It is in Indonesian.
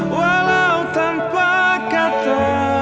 walau tanpa kata